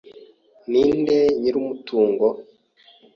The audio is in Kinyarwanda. Ninde nyir'umutungo?